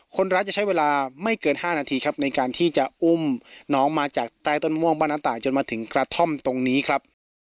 คนร้ายจะใช้เวลาไม่เกิน๕นาทีครับในการที่จะอุ้มน้องมาจากใต้ต้นม่วงบ้านน้ำต่างจนมาถึงกระท่อมตรงนี้ครับ